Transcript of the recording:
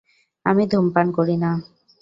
আমি ধূমপান করি না।